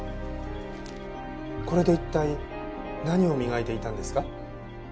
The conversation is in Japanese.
これで一体何を磨いていたんですか？